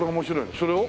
それを？